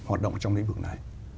hoạt động trong lĩnh vực này